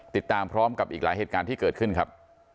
ติดตามพร้อมกับอีกหลายเหตุการณ์ที่เกิดขึ้นครับ